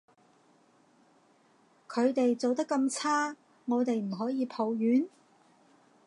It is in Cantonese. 佢哋做得咁差，我哋唔可以抱怨？